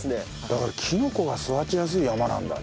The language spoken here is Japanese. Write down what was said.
だからキノコが育ちやすい山なんだね。